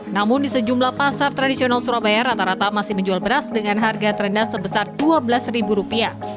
namun di sejumlah pasar tradisional surabaya rata rata masih menjual beras dengan harga terendah sebesar rp dua belas rupiah